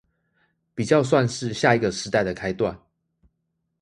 比較算是下一個時代的開段